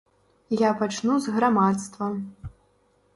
Я пачну з грамадства.